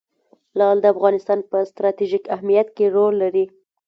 لعل د افغانستان په ستراتیژیک اهمیت کې رول لري.